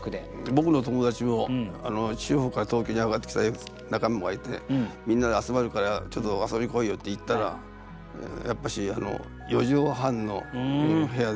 僕の友達も地方から東京に上がってきた仲間がいて「みんなで集まるからちょっと遊び来いよ」って行ったらやっぱし四畳半の部屋で。